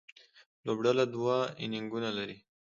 لوبډله دوه انینګونه لري.